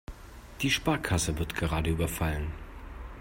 Die Sparkasse wird gerade überfallen.